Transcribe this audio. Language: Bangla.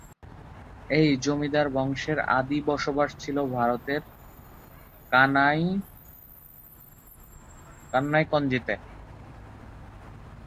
এই জমিদার বংশের আদি বসবাস ছিল ভারতের কাইন্নকব্জিতে।